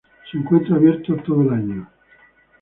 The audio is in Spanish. Se encuentra abierto todo el año.